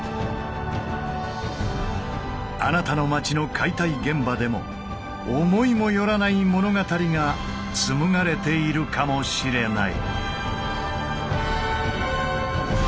あなたの街の解体現場でも思いも寄らない物語が紡がれているかもしれない。